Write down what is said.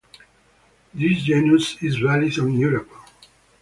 This genus is valid in Europe.